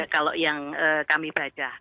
kalau yang kami baca